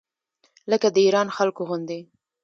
لکه د ایران خلکو غوندې.